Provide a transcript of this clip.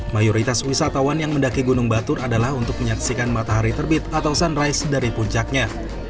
mayoritas wisatawan yang mendaki gunung batur adalah untuk menyaksikan matahari terbit atau sunrise dari puncaknya